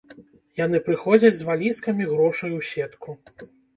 Яны прыходзяць з валізкамі грошай у сетку.